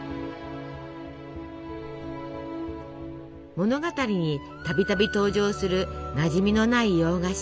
物語にたびたび登場するなじみのない洋菓子。